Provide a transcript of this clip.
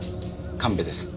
神戸です。